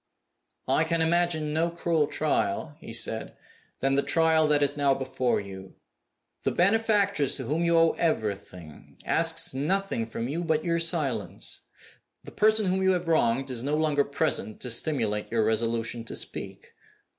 "I can imagine no crueler trial," he said, "than the trial that is now before you. The benefactress to whom you owe everything asks nothing from you but your silence. The person whom you have wronged is no longer present to stimulate your resolution to speak.